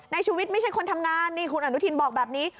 ในชูวิทย์ไม่ใช่คนทำงานคุณอนุทินบอกแบบนี้